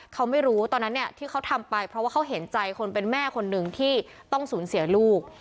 เขาไม่รู้ตอนนั้นเนี่ยที่เขาทำไปเพราะว่าเขาเห็นใจคนเป็นแม่คนหนึ่งที่ต้องสูญเสียลูก